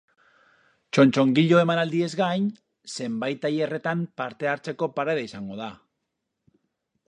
Txotxongilo emanaldiez gain, zenbait tailerretan parte hartzeko parada izango da.